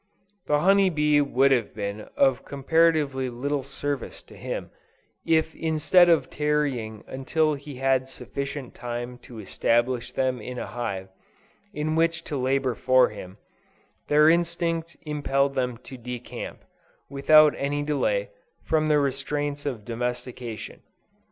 The honey bee would have been of comparatively little service to him, if instead of tarrying until he had sufficient time to establish them in a hive in which to labor for him, their instinct impelled them to decamp, without any delay, from the restraints of domestication.